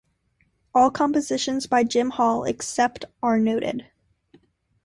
All compositions by Jim Hall except where noted